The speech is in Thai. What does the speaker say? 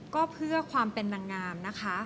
ก็เพื่อความเป็นนางงามนะคะ